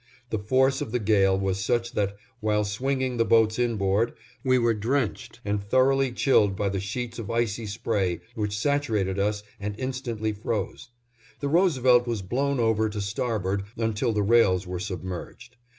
The force of the gale was such that, while swinging the boats inboard, we were drenched and thoroughly chilled by the sheets of icy spray, which saturated us and instantly froze. The Roosevelt was blown over to starboard until the rails were submerged.